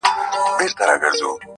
نن د اباسین د جاله وان حماسه ولیکه!!